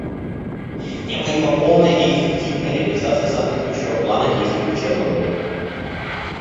Необходима полная и эффективная реализация соответствующего Плана действий по Чернобылю.